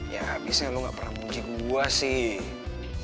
ya abisnya lo gak pernah nungguin gue sih